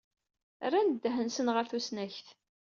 Rran ddehn-nsen ɣer tusnakt.